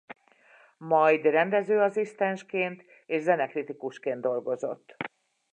Majd rendezőasszisztensként és zenekritikusként dolgozott.